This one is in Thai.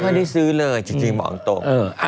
ไม่ได้ซื้อเลยจริงบอกตรง